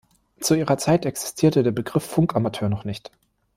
Zu ihrer Zeit existierte der Begriff „Funkamateur“ noch nicht.